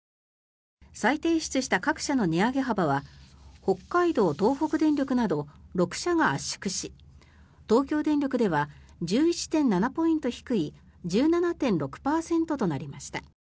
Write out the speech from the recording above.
再提出した各社の値上げ幅は北海道・東北電力など６社が圧縮し、東京電力では１１．７ポイント低い１７．６％となりました。